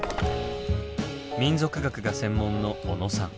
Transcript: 民俗学が専門の小野さん。